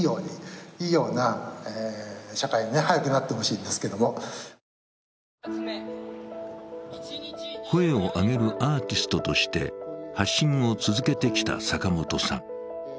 こんな願いも声を上げるアーティストとして発信を続けてきた坂本さん。